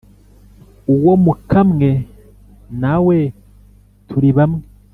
uwo mukamwe nawe turi bamwe